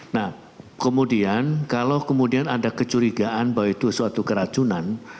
nah kemudian kalau kemudian ada kecurigaan bahwa itu suatu keracunan